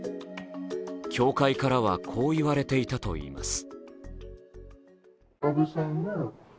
教会からはこう言われていたといいます。